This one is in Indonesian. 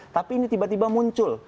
tapi ini tiba tiba muncul